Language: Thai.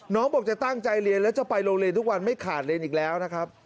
บอกจะตั้งใจเรียนแล้วจะไปโรงเรียนทุกวันไม่ขาดเรียนอีกแล้วนะครับ